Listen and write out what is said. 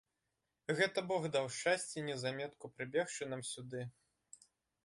Гэта бог даў шчасце неўзаметку прыбегчы нам сюды.